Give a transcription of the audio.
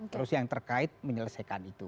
terus yang terkait menyelesaikan itu